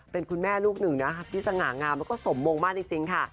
เป็นคุณแม่ลูกหนึ่งนะครับที่สง่างามแล้วก็สมมงมากจริงค่ะ